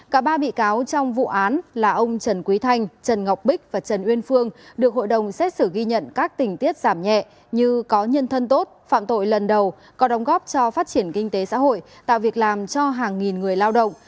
cả ba bị cáo trong vụ án là ông trần quý thanh trần ngọc bích và trần uyên phương được hội đồng xét xử ghi nhận các tình tiết giảm nhẹ như có nhân thân tốt phạm tội lần đầu có đồng góp cho phát triển kinh tế xã hội tạo việc làm cho hàng nghìn người lao động